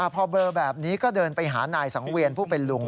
พอเบลอแบบนี้ก็เดินไปหานายสังเวียนผู้เป็นลุง